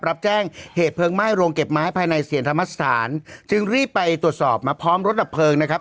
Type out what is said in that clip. รับแจ้งเหตุเพลิงไหม้โรงเก็บไม้ภายในเซียนธรรมสถานจึงรีบไปตรวจสอบมาพร้อมรถดับเพลิงนะครับ